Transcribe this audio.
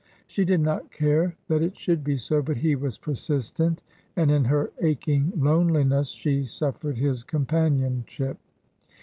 She did not care that it should be so, but he was persistent, and in her aching loneliness she suffered his companionship.